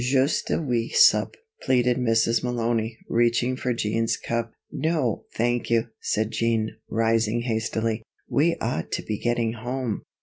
"Joost a wee sup," pleaded Mrs. Malony, reaching for Jean's cup. "No, thank you," said Jean, rising hastily. "We ought to be getting home."